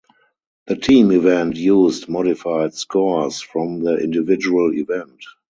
The team event used (modified) scores from the individual event.